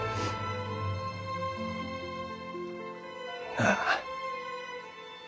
なあ。